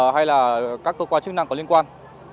hay là các cơ quan chức năng có liên quan